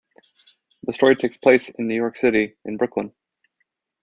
The story takes place in New York City, in Brooklyn.